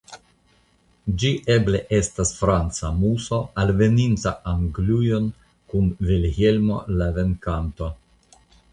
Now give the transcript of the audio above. Ĝi eble estas franca muso alveninta Anglujon kun Vilhelmo la Venkanto.